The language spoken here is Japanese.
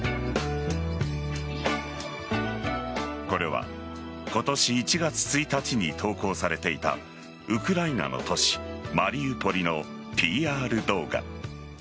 これは今年１月１日に投稿されていたウクライナの都市マリウポリのＰＲ動画。